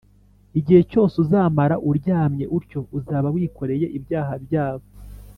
Igihe cyose uzamara uryamye utyo uzaba wikoreye ibyaha byabo